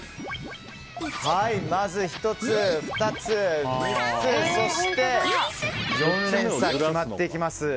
まず１つ、２つ、３つそして、４連鎖となっていきます。